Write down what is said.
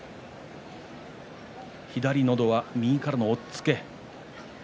左のど輪右からの押っつけ。